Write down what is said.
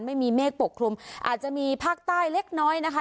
ไม่มีเมฆปกคลุมอาจจะมีภาคใต้เล็กน้อยนะคะ